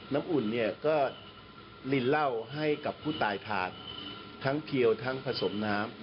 อุ่นเนี่ยก็ลินเหล้าให้กับผู้ตายทานทั้งเพียวทั้งผสมน้ำ